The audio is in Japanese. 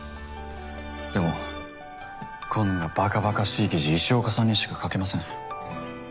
でもこんなばかばかしい記事石岡さんにしか書けません。